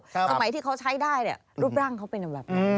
สมัยที่เขาใช้ได้รูปร่างเขาเป็นอยู่แบบนั้น